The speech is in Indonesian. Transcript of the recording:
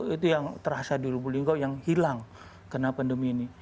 itu yang terasa di lubu linggau yang hilang kena pandemi ini